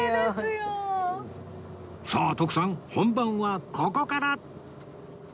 さあ徳さん本番はここから！